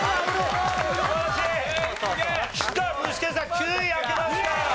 ９位開けました！